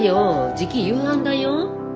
じき夕飯だよ。